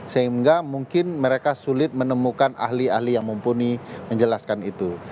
sehingga mungkin mereka sulit menemukan ahli ahli yang mumpuni menjelaskan itu